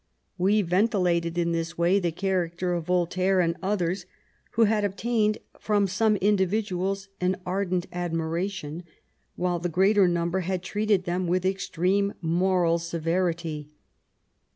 We ventilated in this way the character of Voltaire and others, who have obtained from some individuals an ardent ad miration, while the greater number have treated them with extreme moral severity.